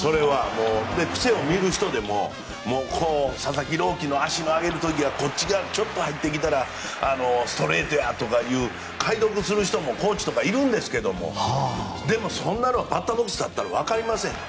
癖を見る人でも佐々木朗希の足の上げる時はこっち側をちょっと上げたらストレートやと解読する人もコーチとかいるんですがでもそんなのはバッターボックスに立ったらわかりません。